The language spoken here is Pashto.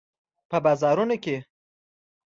په بازارونو کې